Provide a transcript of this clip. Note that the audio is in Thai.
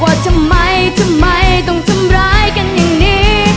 ว่าทำไมทำไมต้องทำร้ายกันอย่างนี้